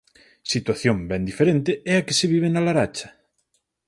Situación ben diferente é a que se vive na Laracha.